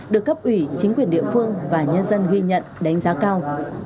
được cấp ủy chính quyền địa phương và nhân dân ghi nhận đánh giá cao